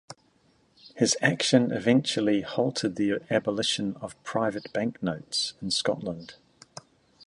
His action eventually halted the abolition of private banknotes in Scotland.